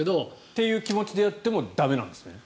そういう気持ちでやっても駄目なんですね。